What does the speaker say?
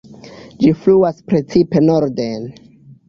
Ĝi fluas precipe norden.